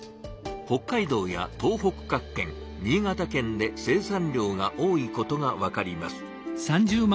北海道や東北各県新潟県で生産量が多いことがわかります。